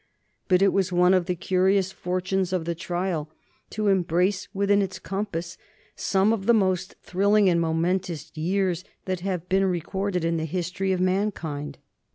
But it was one of the curious fortunes of the trial to embrace within its compass some of the most thrilling and momentous years that have been recorded in the history of mankind.